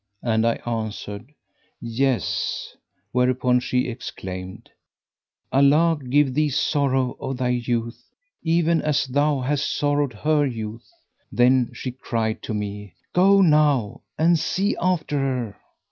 and I answered, "Yes;" whereupon she exclaimed, "Allah give thee sorrow of thy youth, even as thou hast sorrowed her youth!" Then she cried to me, "Go now and see after her."